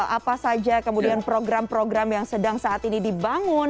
apa saja kemudian program program yang sedang saat ini dibangun